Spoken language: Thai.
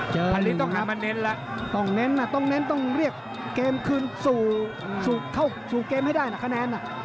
เจอปีนหนึ่งครับต้องเน้นนะต้องเรียกเกมคืนสู่เกมให้ได้ได้ละคะแนน